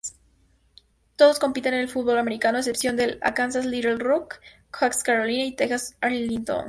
Todos compiten en fútbol americano a excepción de Arkansas–Little Rock, Coastal Carolina y Texas–Arlington.